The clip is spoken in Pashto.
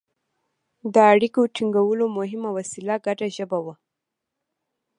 د اړیکو ټینګولو مهمه وسیله ګډه ژبه وه.